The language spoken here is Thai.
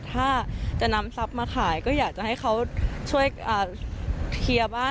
ถ้าจะนำทรัพย์มาขายก็อยากจะให้เขาช่วยเคลียร์บ้าน